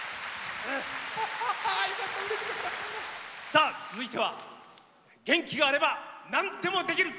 さあ続いては元気があればなんでもできる！